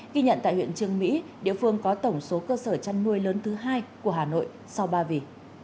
ghi nhận tại huyện trường mỹ địa phương có tổng số cơ sở chăn nuôi lớn thứ hai của hà nội sau ba vỉ